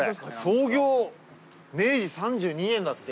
創業明治３２年だって。